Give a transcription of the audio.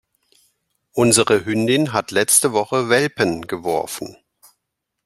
Unsere Hündin hat letzte Woche Welpen geworfen.